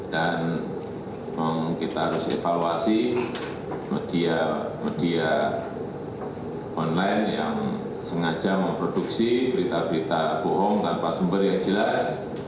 dan kita harus evaluasi media media online yang sengaja memproduksi berita berita bohong tanpa sumber yang jelas